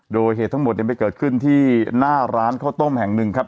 โดยเหตุทั้งหมดไปเกิดขึ้นที่หน้าร้านข้าวต้มแห่งหนึ่งครับ